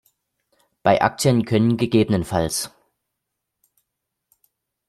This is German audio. Bei Aktien können ggf.